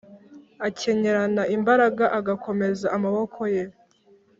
akenyerana imbaraga, agakomeza amaboko ye